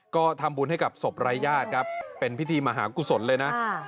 ก็ทำบุญให้กับศพรายญาติครับเป็นพิธีมหากุศลเลยนะ